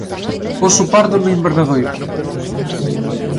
Oso pardo no Invernadoiro.